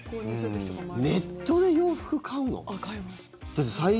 ネットで洋服買うの？